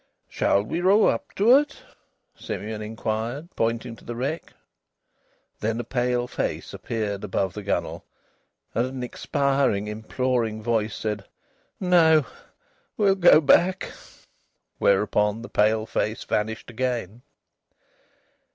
"Shall we row up to it?" Simeon inquired, pointing to the wreck. Then a pale face appeared above the gunwale, and an expiring, imploring voice said: "No. We'll go back." Whereupon the pale face vanished again.